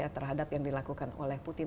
terhadap yang dilakukan oleh putin